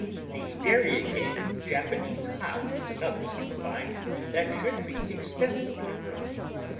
Hie variegated Japanese Hop is another summer vine that should be extensively grown.